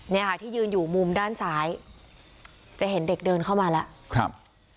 เนี่ยค่ะที่ยืนอยู่มุมด้านซ้ายจะเห็นเด็กเดินเข้ามาแล้วครับ